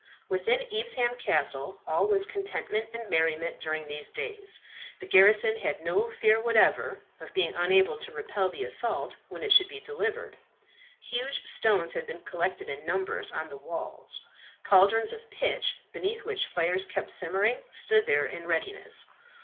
Within Evesham Castle all was contentment and merriment during these days. The garrison had no fear whatever of being unable to repel the assault when it should be delivered. Huge stones had been collected in numbers on the walls, cauldrons of pitch, beneath which fires kept simmering, stood there in readiness.